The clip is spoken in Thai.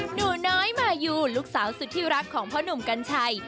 หนูน้อยมายูลูกสาวสุดที่รักของพ่อหนุ่มกัญชัย